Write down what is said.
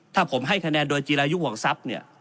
ถ้าผมให้คะแนนโดยจีรายุห่วงทรัพย์เนี่ย